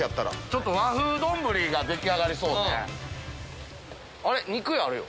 ちょっと和風丼が出来上がりそうね。